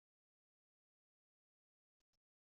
Ur ssexlaḍ gar dare ed dear.